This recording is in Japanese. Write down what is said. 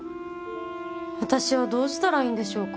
私はどうしたらいいんでしょうか？